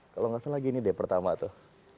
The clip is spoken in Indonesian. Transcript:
kalo gak salah gini deh pertama tuh